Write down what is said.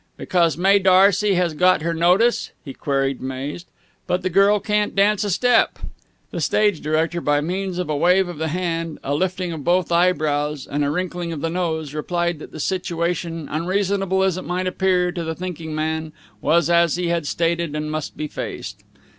"Because Mae D'Arcy has got her notice?" he queried, amazed. "But the girl can't dance a step." The stage director, by means of a wave of the hand, a lifting of both eyebrows, and a wrinkling of the nose, replied that the situation, unreasonable as it might appear to the thinking man, was as he had stated and must be faced.